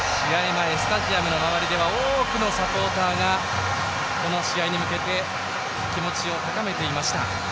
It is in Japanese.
前、スタジアムの周りでは多くのサポーターがこの試合に向けて気持ちを高めていました。